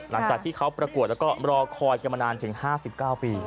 หลังจากที่เขาประกวดแล้วก็รอคอยกันมานานถึง๕๙ปี